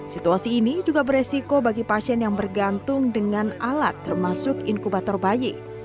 situasi ini juga beresiko bagi pasien yang bergantung dengan alat termasuk inkubator bayi